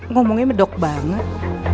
ngomongnya medok banget